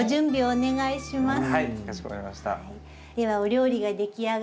お願いします。